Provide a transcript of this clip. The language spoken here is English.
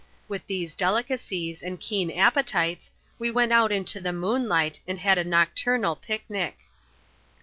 With these d0 licades, and keen appetites, we went out into the moonlighti and had a nocturnal picknick.